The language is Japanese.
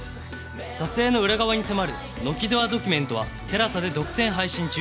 撮影の裏側に迫る「ノキドアドキュメント」は ＴＥＬＡＳＡ で独占配信中